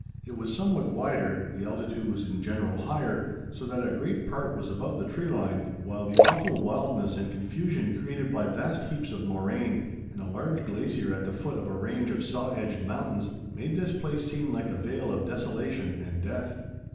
It was somewhat wider, the altitude was in general higher, so that a great part was above the tree line, while the awful wildness and confusion created by vast heaps of moraine and a large glacier at the foot of a range of saw edged mountains made this place seem like a vale of desolation and death.